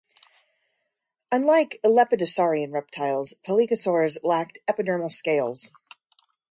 Unlike lepidosaurian reptiles, pelycosaurs lacked epidermal scales.